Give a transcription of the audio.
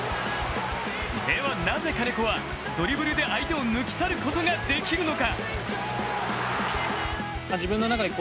ではなぜ金子はドリブルで相手を抜き去ることができるのか。